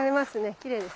きれいですね。